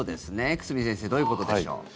久住先生どういうことでしょう。